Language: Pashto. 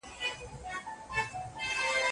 له فکرونو اندېښنو په زړه غمجن سو